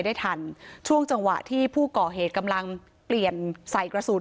ได้ทันช่วงจังหวะที่ผู้ก่อเหตุกำลังเปลี่ยนใส่กระสุน